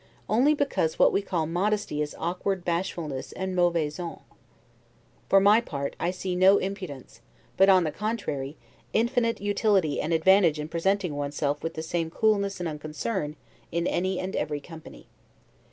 Only because what we call modesty is awkward bashfulness and 'mauvaise honte'. For my part, I see no impudence, but, on the contrary, infinite utility and advantage in presenting one's self with the same coolness and unconcern in any and every company.